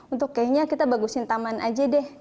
untuk kayaknya kita bagusin taman aja deh